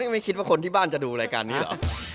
ไม่คิดว่าคนที่บ้านจะดูรายการนี้